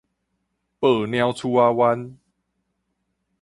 報鳥鼠冤